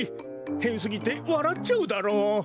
へんすぎてわらっちゃうダロ。